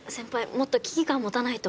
もっと危機感持たないと。